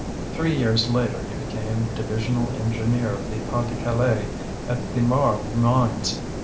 Three years later he became divisional engineer in the Pas de Calais, at the Marles mines.